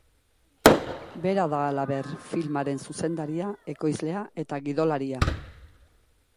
Bera da, halaber, filmaren zuzendaria, ekoizlea eta gidolaria.